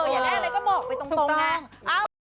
อยากได้อะไรก็บอกไปตรงไง